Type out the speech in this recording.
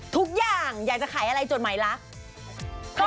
ทุกอย่างอยากจะขายอะไรจดหมายลักษณ์